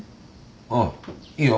ああいいよ。